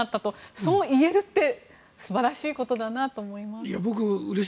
そう言えるって素晴らしいことだなと思います。